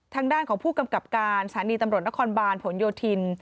ทางด้านของผู้กำกับการสถานีตำรวจนครบาลผลโยธิน